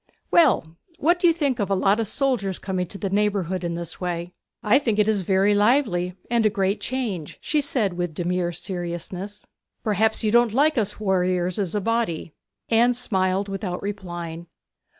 Well, what do you think of a lot of soldiers coming to the neighbourhood in this way?' 'I think it is very lively, and a great change,' she said with demure seriousness. 'Perhaps you don't like us warriors as a body?' Anne smiled without replying.